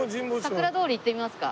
さくら通り行ってみますか？